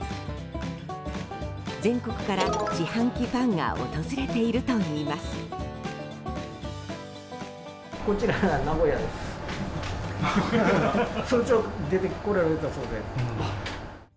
全国から自販機ファンが訪れているといいます。